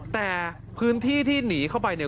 แต่พื้นที่ที่หนีเข้าไปเนี่ย